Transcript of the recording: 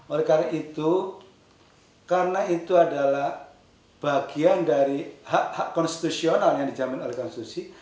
oleh karena itu karena itu adalah bagian dari hak hak konstitusional yang dijamin oleh konstitusi